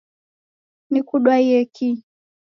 Nikudwaiye kii?